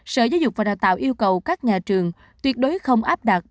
sở giáo dục và đào tạo yêu cầu các nhà trường tuyệt đối không áp đặt